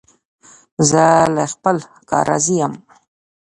زه له خپل کار راضي یم.